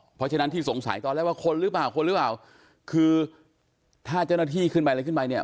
เพราะฉะนั้นที่สงสัยตอนแรกว่าคนหรือเปล่าคนหรือเปล่าคือถ้าเจ้าหน้าที่ขึ้นไปอะไรขึ้นไปเนี่ย